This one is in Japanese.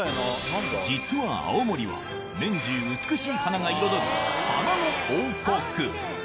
実は青森は年中美しい花が彩る花の王国